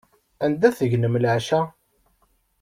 Anda tegnem leɛca?